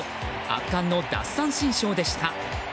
圧巻の奪三振ショーでした。